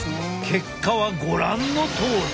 結果はご覧のとおり。